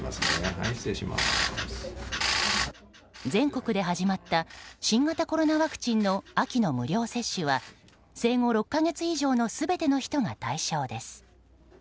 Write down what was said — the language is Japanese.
全国で始まった新型コロナワクチンの秋の無料接種は生後６か月以上の全ての人が対象です。